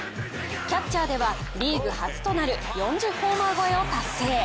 キャッチャーではリーグ初となる４０ホーマー超えを達成。